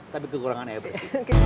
tapi kekurangan air bersih